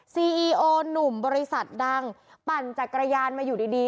ซีอีโอหนุ่มบริษัทดังปั่นจักรยานมาอยู่ดีดี